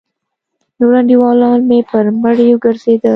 نور انډيوالان مې پر مړيو گرځېدل.